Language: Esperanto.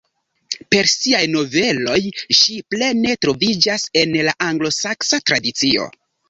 Per siaj noveloj ŝi plene troviĝas en la anglosaksa tradicio.